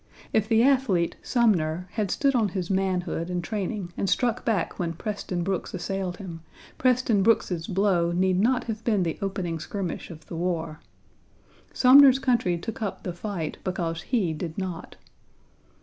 If the athlete, Sumner, had stood on his manhood and training and struck back when Preston Brooks assailed him, Preston Brooks's blow need not have been the opening skirmish of the war. Sumner's country took up the fight because he did not.